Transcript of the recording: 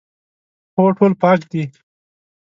هو، ټول پاک دي